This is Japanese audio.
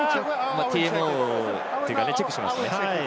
ＴＭＯというかチェックしますね。